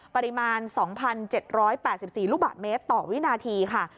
ปริมาณ๒๗๘๔ลูกบาทเมตรต่อวินาทีค่ะ